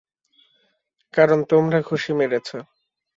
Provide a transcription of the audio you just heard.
কারণ তোমরা ঘুষি মেরেছো।